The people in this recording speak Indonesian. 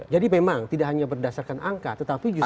memang tidak hanya berdasarkan angka tetapi justru